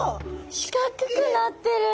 四角くなってる。